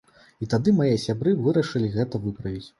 І тады мае сябры вырашылі гэта выправіць.